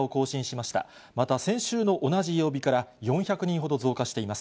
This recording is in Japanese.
また先週の同じ曜日から４００人ほど増加しています。